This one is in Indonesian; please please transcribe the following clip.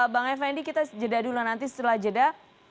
bang effendi kita jeda dulu nanti setelah jeda